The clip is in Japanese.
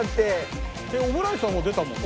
オムライスはもう出たもんな。